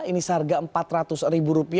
ini seharga rp empat ratus